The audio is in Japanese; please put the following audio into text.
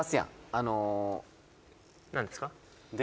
あの何ですか？